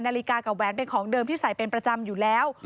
นาฬิกากับแหวนเป็นของเดิมที่ใส่เป็นประจำอยู่แล้ว